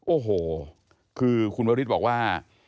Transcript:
โอ้โหคือคุณวริสบอกว่า